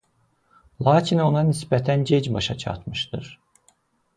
Lakin ona nisbətən gec başa çatmışdır.